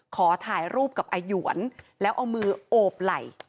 ขอถ่ายรูปกับอาหยวนแล้วเอามือโอบไหล่